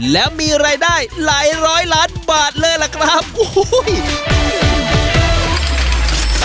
แล้วมีรายได้หลายร้อยล้านบาทเลยล่ะครับโอ้โห